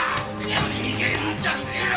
逃げるんじゃねえよ